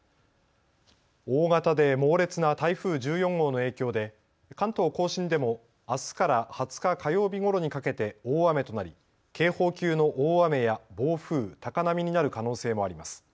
大型で猛烈な台風１４号の影響で関東甲信でもあすから２０日火曜日ごろにかけて大雨となり警報級の大雨や暴風、高波になる可能性もあります。